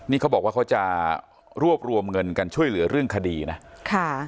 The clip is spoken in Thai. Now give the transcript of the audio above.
นี่เขาบอกว่าเขาจะรวบรวมเงินกันช่วยเหลือเรื่องคดีนะค่ะ